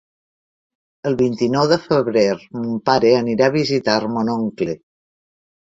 El vint-i-nou de febrer mon pare anirà a visitar mon oncle.